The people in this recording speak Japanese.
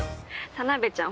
田辺ちゃん